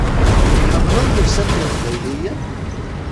Tḥemmleḍ llebsa n yeqbayliyen?